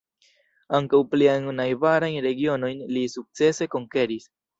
Ankaŭ pliajn najbarajn regionojn li sukcese konkeris.